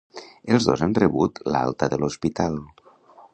Els dos han rebut l'alta de l'hospital.